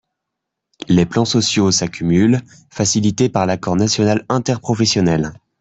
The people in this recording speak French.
Les plans sociaux s’accumulent, facilités par l’accord national interprofessionnel.